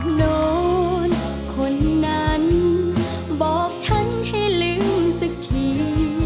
นอนคนนั้นบอกฉันให้ลืมสักที